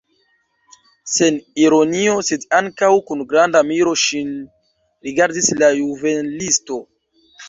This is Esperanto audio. Sen ironio, sed ankaŭ kun granda miro ŝin rigardis la juvelisto.